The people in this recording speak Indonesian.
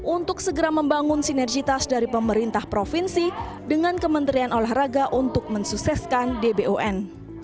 untuk segera membangun sinergitas dari pemerintah provinsi dengan kementerian olahraga untuk mensukseskan dbon